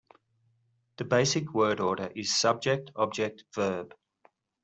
The basic word order is subject-object-verb.